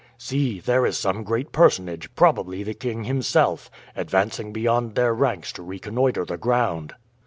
See, there is some great personage, probably the king himself, advancing beyond their ranks to reconnoiter the ground."